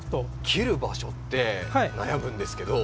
切る場所って悩むんですけど。